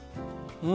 うん。